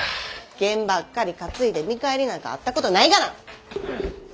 験ばっかり担いで見返りなんかあったことないがな！